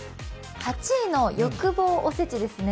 ８位の欲望おせちです。